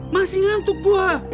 masih ngantuk gue